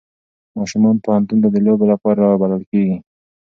ماشومان پوهنتون ته د لوبو لپاره رابلل کېږي.